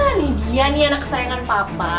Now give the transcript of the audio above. nah nih dia nih anak kesayangan papa